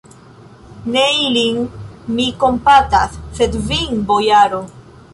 Ne ilin mi kompatas, sed vin, bojaro!